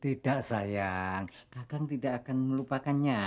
tidak sayang kakang tidak akan melupakannya